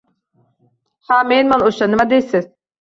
– Ha, menman o‘sha! Nima deysiz?!